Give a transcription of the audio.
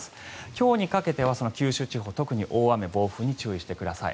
今日にかけては九州地方特に大雨、暴風に注意してください。